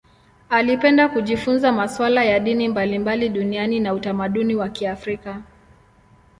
Alipenda kujifunza masuala ya dini mbalimbali duniani na utamaduni wa Kiafrika.